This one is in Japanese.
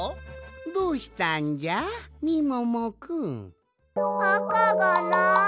どうしたんじゃみももくん？あかがない。